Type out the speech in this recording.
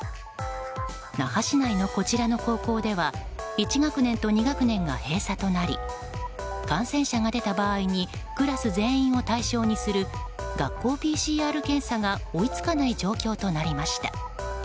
那覇市内のこちらの高校では１学年と２学年が閉鎖となり感染者が出た場合にクラス全員を対象にする学校ＰＣＲ検査が追いつかない状況となりました。